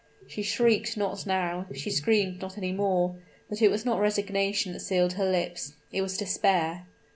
She shrieked not now she screamed not any more; but it was not resignation that sealed her lips; it was despair!